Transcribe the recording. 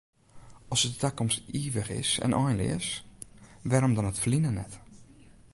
As de takomst ivich is en einleas, wêrom dan it ferline net?